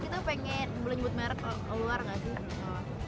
kita pengen melingbut merk ke luar gak sih